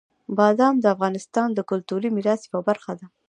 بادام د افغانستان د کلتوري میراث یوه برخه ده.